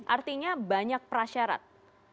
artinya banyak prasyarat